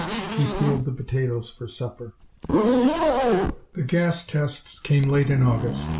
He peeled the potatoes for supper. The gas tests came late in August.